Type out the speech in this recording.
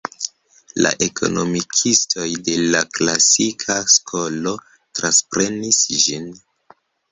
La ekonomikistoj de la klasika skolo transprenis ĝin.